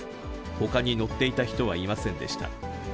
ほかに乗っていた人はいませんでした。